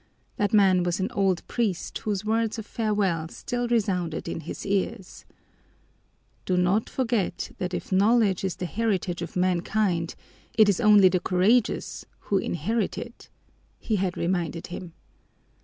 That man was an old priest whose words of farewell still resounded in his ears: "Do not forget that if knowledge is the heritage of mankind, it is only the courageous who inherit it," he had reminded him.